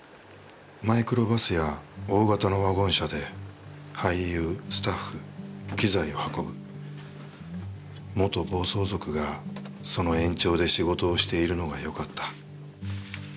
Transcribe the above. マイクロバスや大型のワゴン車で俳優・スタッフ・機材を運ぶ、元暴走族がその延長で仕事をしているのが良かった。